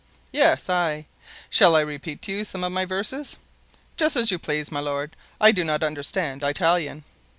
"Yes, I; shall I repeat to you some of my verses?" "Just as you please, my lord. I do not understand Italian."